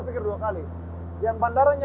jadi pasukan pasukan yang berantem antem ya